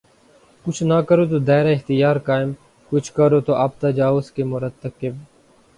کچھ نہ کرو تو دائرہ اختیار قائم‘ کچھ کرو تو آپ تجاوز کے مرتکب۔